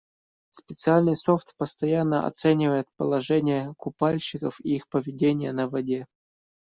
Специальный софт постоянно оценивает положение купальщиков и их поведение на воде.